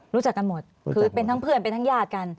รู้จักกันหมดคือเป็นทั้งเพื่อนเป็นทั้งญาติกัน